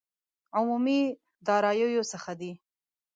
عمومي داراییو څخه دي.